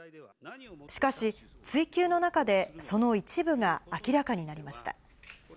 しかし、追及の中で、その一部が明らかになりました。